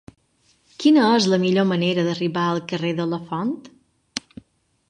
Quina és la millor manera d'arribar al carrer de Lafont?